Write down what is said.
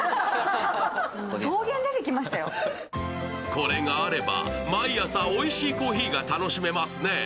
これがあれば毎朝おいしいコーヒーが楽しめますね。